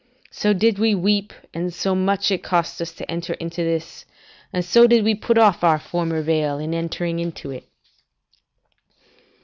So did we weep, and so much it cost us to enter into this, and so did we put off our former veil in entering into it.